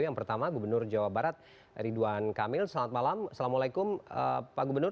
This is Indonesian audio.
yang pertama gubernur jawa barat ridwan kamil selamat malam assalamualaikum pak gubernur